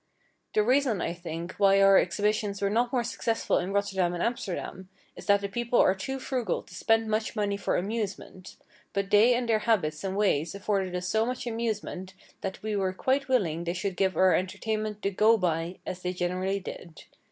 The reason, I think, why our exhibitions were not more successful in Rotterdam and Amsterdam, is that the people are too frugal to spend much money for amusement, but they and their habits and ways afforded us so much amusement, that we were quite willing they should give our entertainment the "go by," as they generally did.